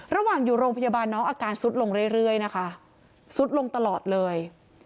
ระหว่างอยู่โรงพยาบาลน้องอาการซุดลงเรื่อยนะคะสุดลงตลอดเลย